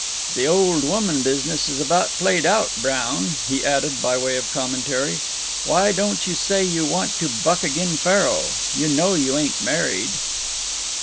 "The old woman business is about played out, Brown," he added, by way of commentary; "why don't you say you want to buck agin' faro? You know you ain't married!"